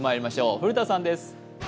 古田さんです。